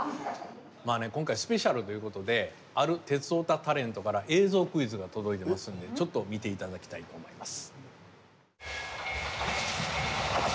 まあね今回スペシャルということである鉄オタタレントから映像クイズが届いてますんでちょっと見て頂きたいと思います。